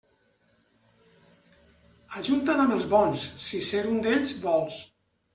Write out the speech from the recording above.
Ajunta't amb els bons, si ser un d'ells vols.